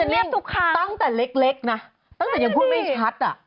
แล้วทุกครั้งเลยต้องแต่เล็กนะตั้งแต่ยังพูดไม่ชัด